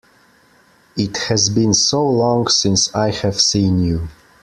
It has been so long since I have seen you!